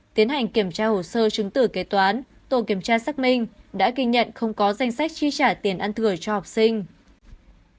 tiến hành kiểm tra hồ sơ chứng tử kế toán tổ kiểm tra xác minh đã ghi nhận không có danh sách chi trả tiền ăn thừa cho học sinh